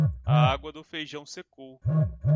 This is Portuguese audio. A água do feijão secou.